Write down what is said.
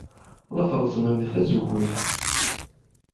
La treẓẓmem tazewwut.